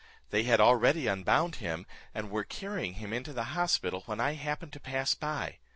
They had already unbound him, and were carrying him into the hospital, when I happened to pass by.